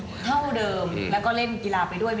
เท่าเดิมแล้วก็เล่นกีฬาไปด้วย